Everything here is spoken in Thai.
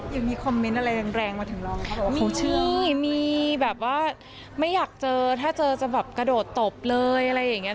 ยังมีคอมเมนต์อะไรแรงมาถึงเราเขาบอกว่าเขาชื่อมีแบบว่าไม่อยากเจอถ้าเจอจะแบบกระโดดตบเลยอะไรอย่างเงี้